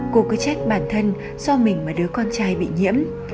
cô cứ trách bản thân do mình mà đứa con trai bị nhiễm